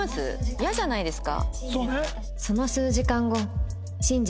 イヤじゃないですか。